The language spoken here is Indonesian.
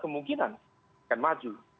kemungkinan akan maju